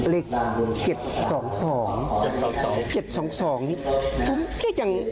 เลขอะไรครับบอกแล้วไหม